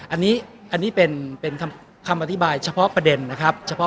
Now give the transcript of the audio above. อันนี้เป็นคำอธิบายเฉพาะประเด็นนะครับ